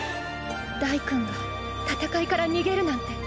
ダイくんが戦いから逃げるなんて。